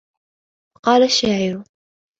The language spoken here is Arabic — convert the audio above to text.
وَقَالَ الشَّاعِرُ